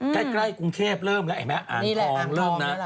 ใกล้กรุงเทพฯเริ่มแล้วไอ้แม่อ่านทองเริ่มนะ